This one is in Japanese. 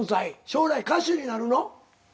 将来歌手になるの？